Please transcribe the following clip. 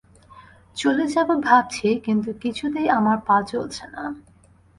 চলে যাব ভাবছি, কিন্তু কিছুতেই আমার পা চলছে না।